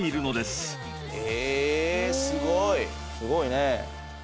すごいね。